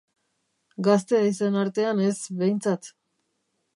Gazte haizen artean ez, behintzat.